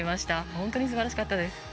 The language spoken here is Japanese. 本当にすばらしかったです。